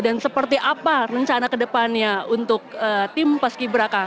dan seperti apa rencana kedepannya untuk tim pas ki braka